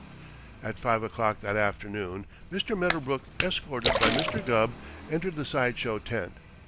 At five o'clock that afternoon, Mr. Medderbrook, escorted by Mr. Gubb, entered the side show tent.